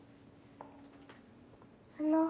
あの。